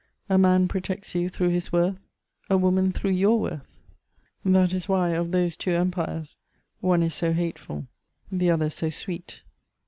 A man protects you through his worth, a woman through your worth: that is why, of those two empires, one is so hateful, the other so sweet.